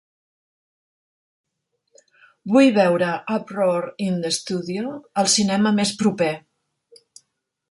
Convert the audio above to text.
Vull veure Uproar in the Studio al cinema més proper